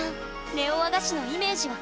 ネオ和菓子のイメージは固まった？